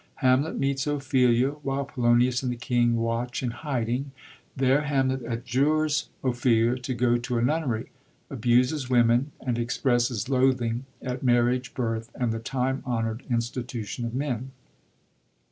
Hamlet meets Ophelia, while Polonius and the king watch in hiding. There Hamlet adjures Ophelia to go to a nunnery, abuses women, and expresses loathing at marriage, birth, and the time honord institutions of men.